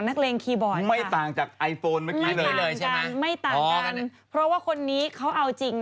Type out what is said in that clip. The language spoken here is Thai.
แต่ผมคงใจมีอันนี้เด็กนี่